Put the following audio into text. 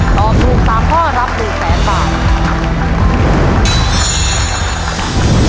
ตอบถูก๓ข้อรับถูก๘๐๐๐๐๐๐บาท